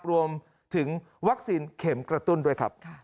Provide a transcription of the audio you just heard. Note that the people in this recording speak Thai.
รวมถึงวัคซีนเข็มกระตุ้นด้วยครับ